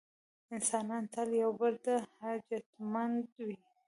انسانان تل یو بل ته حاجتمنده وي.